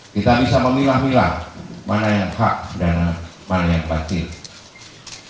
kita bisa memilah milah mana yang hak dan mana yang partil